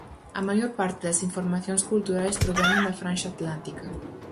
A maior parte das informacións culturais proveñen da franxa atlántica.